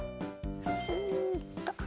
すっと。